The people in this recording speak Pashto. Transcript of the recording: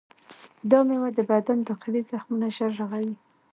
دا میوه د بدن داخلي زخمونه ژر رغوي.